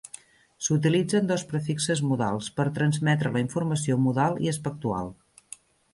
S"utilitzen dos prefixes modals per transmetre la informació modal i aspectual.